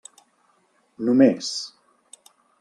Només.